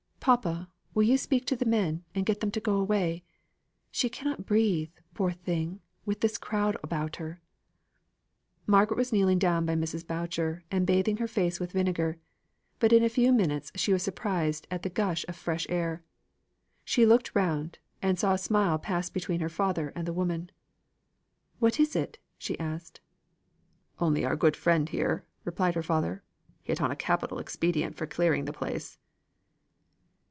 Papa, will you speak to the men, and get them to go away. She cannot breathe, poor thing, with this crowd about her." Margaret was kneeling down by Mrs. Boucher and bathing her face with vinegar; but in a few minutes she was surprised at the gush of fresh air. She looked round, and saw a smile pass between her father and the woman. "What is it?" asked she. "Only our good friend here," replied her father, "hit on a capital expedient for clearing the place."